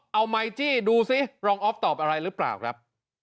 เอาไมค์จี้ดูสิรองออฟตอบอะไรหรือเปล่าครับ